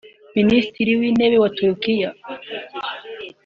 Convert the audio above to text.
Minisitiri w’Intebe wa Turikiya